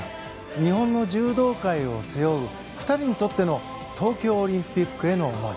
日本の柔道界を背負う２人にとっての東京オリンピックへの思い。